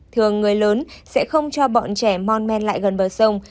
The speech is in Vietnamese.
thường người lớn sẽ không cho bọn trẻ non men lại gần bờ sông